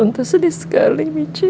untuk sedih sekali michi